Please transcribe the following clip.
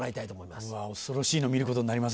うわぁ恐ろしいの見ることになりますね。